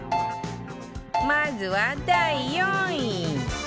まずは第４位